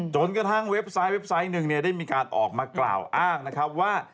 จนกระทั่งเว็บไซต์เว็บไซต์หนึ่งเนี่ยได้มีการออกมากล่าวอ้างนะครับว่า